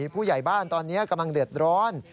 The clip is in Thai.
ผู้ใหญ่บ้านตอนนี้กำลังเดือดร้อน